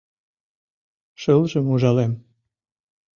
Шылжым ужалем.